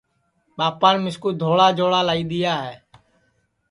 ٻاپان مِسکُو دھوݪا جوڑا لائی دؔیا ہے